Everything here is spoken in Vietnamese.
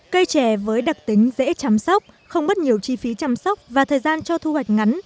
cây chè với đặc tính dễ chăm sóc không mất nhiều chi phí chăm sóc và thời gian cho thu hoạch ngắn